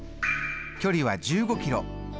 距離は１５キロ。